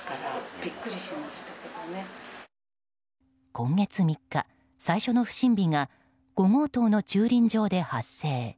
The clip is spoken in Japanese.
今月３日、最初の不審火が５号棟の駐輪場で発生。